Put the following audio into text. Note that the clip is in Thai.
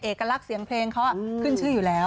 เอกลักษณ์เสียงเพลงเขาขึ้นชื่ออยู่แล้ว